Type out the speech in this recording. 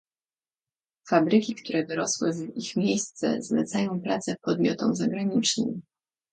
Fabryki, które wyrosły w ich miejsce zlecają pracę podmiotom zagranicznym